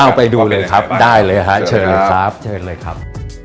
เอาไปดูเลยครับได้เลยฮะเชิญเลยครับเชิญเลยครับ